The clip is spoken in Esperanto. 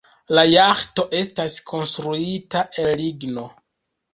La jaĥto estas konstruita el ligno.